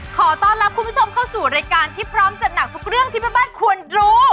ขอต้อนรับคุณผู้ชมเข้าสู่รายการที่พร้อมจัดหนักทุกเรื่องที่แม่บ้านควรรู้